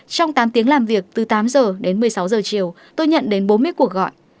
trong tám tiếng làm việc từ tám giờ đến một mươi sáu giờ chiều tôi nhận đến bốn mươi cuộc gọi